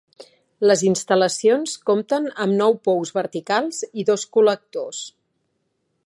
Les instal·lacions compten amb nou pous verticals i dos col·lectors.